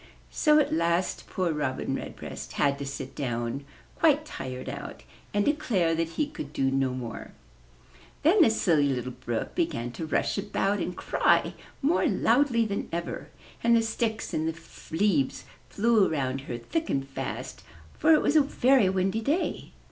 So at last poor Robin Redbreast had to sit down, quite tired out, and declare that he could do no more. Then the Silly Little Brook began to rush about and cry more loudly than ever; and the sticks and leaves flew around her thick and fast, for it was a very windy day.